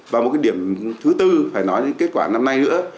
và một cái điểm thứ tư phải nói đến kết quả năm nay nữa